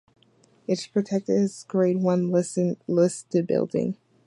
It is protected as a Grade One listed building.